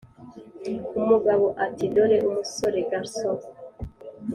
umugabo ati" dore umusore(garçon,)